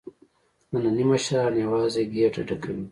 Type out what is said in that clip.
نني مشران یوازې ګېډه ډکوي.